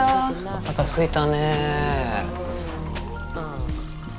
おなかすいたね。